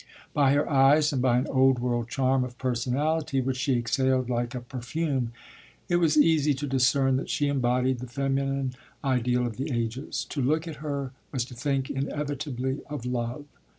By her eyes, and by an old world charm of personality which she exhaled like a perfume, it was easy to discern that she embodied the feminine ideal of the ages. To look at her was to think inevitably of love.